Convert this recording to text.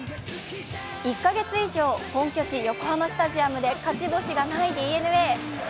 １か月以上、本拠地・横浜スタジアムで勝ち星がないＤｅＮＡ。